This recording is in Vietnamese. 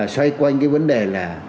xoay quanh cái vấn đề là